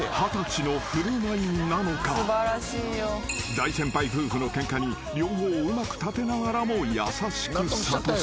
［大先輩夫婦のケンカに両方をうまく立てながらも優しく諭す］